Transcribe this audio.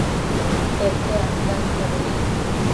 Pete ansanta bëdic